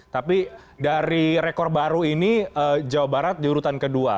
tapi dari rekor baru ini jawa barat diurutan kedua